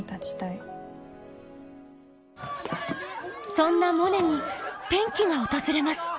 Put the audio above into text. そんなモネに転機が訪れます。